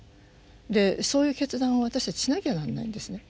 でそういう決断を私たちしなきゃなんないんですね。